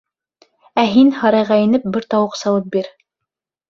Ә һин һарайға инеп, бер тауыҡ салып бир.